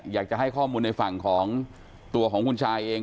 อยากจะให้ข้อมูลในฝั่งของตัวของคุณชายเอง